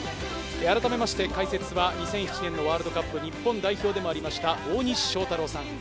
あらためまして解説は２００７年のワールドカップ日本代表でもありました大西将太郎さん。